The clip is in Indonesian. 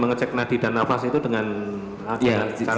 mengecek nadi dan nafas itu dengan